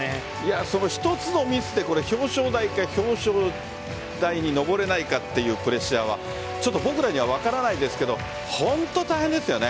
その１つのミスで表彰台か表彰台に登れないかというプレッシャーは僕らには分からないですけど本当に大変ですよね。